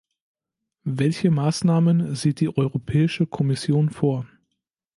Welche Maßnahmen sieht die Europäische Kommission vor?